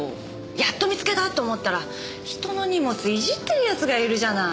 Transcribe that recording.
やっと見つけた！って思ったら人の荷物いじってる奴がいるじゃない。